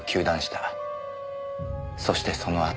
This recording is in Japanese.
そしてそのあと。